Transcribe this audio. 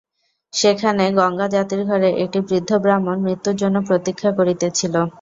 সেখানে গঙ্গাযাত্রীর ঘরে একটি বৃদ্ধ ব্রাহ্মণ মৃত্যুর জন্য প্রতীক্ষা করিতেছিল।